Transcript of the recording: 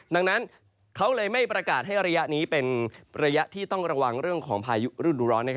ดังนั้นเขาเลยไม่ประกาศให้ระยะนี้เป็นระยะที่ต้องระวังเรื่องของพายุฤดูร้อน